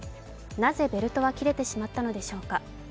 なぜベルトは切れてしまったのでしょうか？